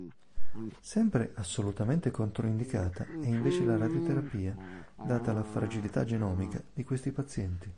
Sempre assolutamente controindicata è invece la radioterapia, data la fragilità genomica di questi pazienti.